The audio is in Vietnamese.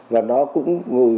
và nó cũng